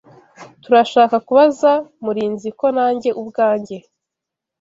Turashaka kubaza Murinzi ko nanjye ubwanjye.